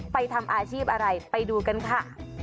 ทำอาชีพอะไรไปดูกันค่ะ